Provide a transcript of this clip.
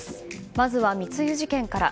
まずは、密輸事件から。